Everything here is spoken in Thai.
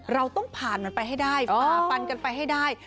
เราต้องผ่านมันไปให้ได้ฝ่าฟันกันไปให้ได้